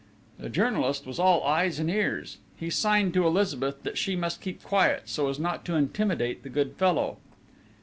The journalist was all eyes and ears. He signed to Elizabeth that she must keep quiet, so as not to intimidate the good fellow.